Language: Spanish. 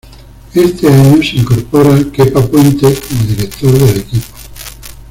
Este año se incorpora Kepa Puente como director del equipo.